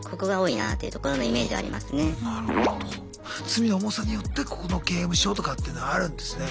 罪の重さによってここの刑務所とかっていうのあるんですね。